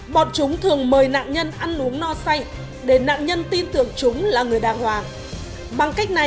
bọn chúng thường mời nạn nhân ăn uống no say để nạn nhân tin tưởng chúng là người đàng hoàng